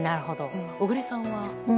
小栗さんは？